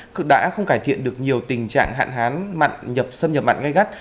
cũng đã không cải thiện được nhiều tình trạng hạn hán xâm nhập mặn gây gắt